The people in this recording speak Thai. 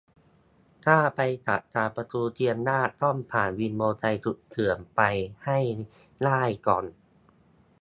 ถ้าไปจากทางประตูเชียงรากต้องผ่านวินมอไซค์สุดเถื่อนไปให้ได้ก่อน